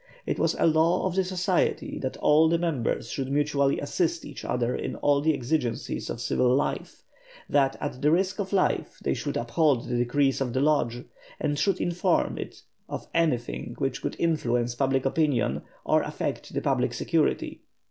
It was a law of the Society that all members should mutually assist each other in all the exigencies of civil life; that at the risk of life they should uphold the decrees of the Lodge; and should inform it of anything which could influence public opinion, or affect the public security.